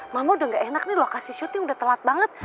mama udah gak enak nih lokasi syuting udah telat banget